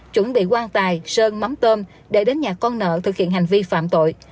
chuẩn bị quang tài sơn mắm tôm để đến nhà con nợ thực hiện hành vi phạm tội